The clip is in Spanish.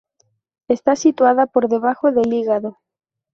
Está situada por debajo del hígado.